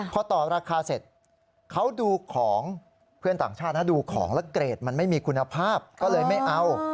พอต่อราคาเสร็จเขาดูของเพื่อนต่างชาตินะดูของแล้วเกรดมันไม่มีคุณภาพก็เลยไม่เอา